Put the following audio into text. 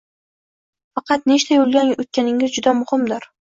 Faqat nechta yo'ldan o'tganingiz juda muhimdir.